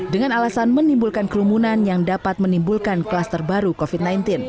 dengan alasan menimbulkan kerumunan yang dapat menimbulkan kluster baru covid sembilan belas